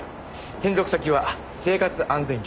転属先は生活安全局。